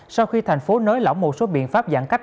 sau khi thành phố nới lỏng một số biện pháp giãn cách